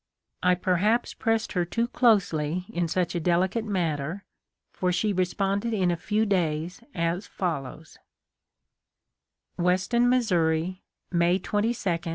I perhaps pressed her too closely in such a delicate matter, for she responded in a few days as follows : 148 THE LIFE OF LINCOLN.